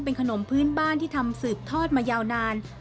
เป็นขนมพื้นบ้านที่ทำสืบทอดมายาวนาน